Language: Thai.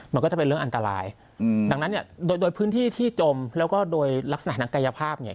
มันก็จะเป็นเรื่องอันตรายดังนั้นเนี่ยโดยพื้นที่ที่จมแล้วก็โดยลักษณะนักกายภาพเนี่ย